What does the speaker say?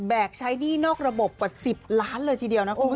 แบกใช้หนี้นอกระบบกว่า๑๐ล้านเลยทีเดียวนะคุณผู้ชมนะ